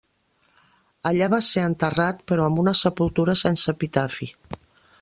Allà va ser enterrat, però amb una sepultura sense epitafi.